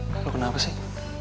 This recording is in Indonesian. lo kenapa sih